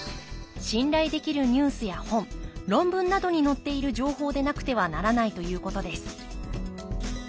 信頼できるニュースや本論文などに載っている情報でなくてはならないということです